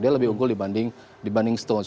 dia lebih unggul dibanding stones